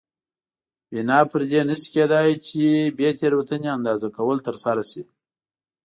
بنا پر دې نه شي کېدای چې بې تېروتنې اندازه کول ترسره شي.